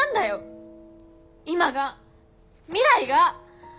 今が未来が。